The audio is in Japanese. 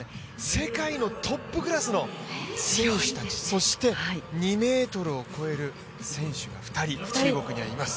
世界のトップクラスの選手たち、そして２ｍを超える選手が２人、中国にはいます。